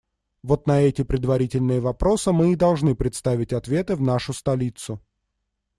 Вот на эти предварительные вопросы мы и должны представить ответы в нашу столицу.